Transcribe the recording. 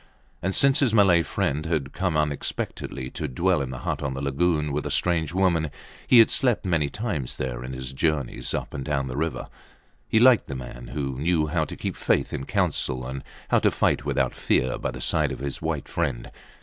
And since his Malay friend had come unexpectedly to dwell in the hut on the lagoon with a strange woman, he had slept many times there, in his journeys up and down the river. He liked the man who knew how to keep faith in council and how to fight without fear by the side of his white friend.